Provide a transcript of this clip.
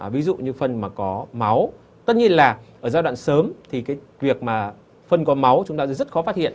ví dụ như phân mà có máu tất nhiên là ở giai đoạn sớm thì cái việc mà phân có máu chúng ta sẽ rất khó phát hiện